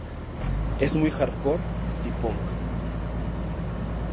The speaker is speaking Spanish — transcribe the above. Es muy hardcore y punk.